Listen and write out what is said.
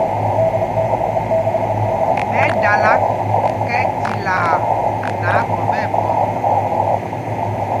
Ɓɛ dala kɛ tilaa nɛ aphɔmb nɛ phɔmb.